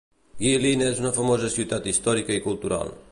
Guilin és una famosa ciutat històrica i cultural.